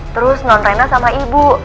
terus non tenda sama ibu